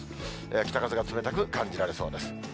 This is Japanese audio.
北風が冷たく感じられそうです。